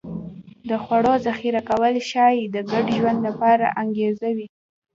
د خوړو ذخیره کول ښایي د ګډ ژوند لپاره انګېزه وي